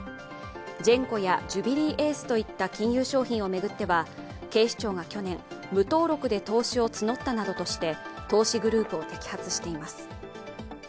ジェンコやジュビリーエースといった金融商品を巡っては警視庁が去年無登録で投資を募ったなどとして投資グループを摘発しています。